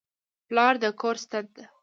پلار د کور ستن ده.